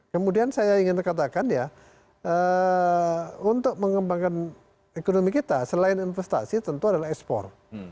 kemudian saya ingin katakan ya untuk mengembangkan ekonomi kita selain investasi tentu adalah ekspor